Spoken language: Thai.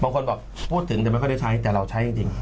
บางคนบอกพูดถึงแต่มันก็ได้ใช้เราใช้จริง